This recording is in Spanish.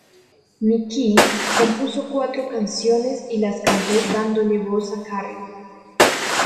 Nikki compuso cuatro canciones y las cantó dándole voz a Carrie.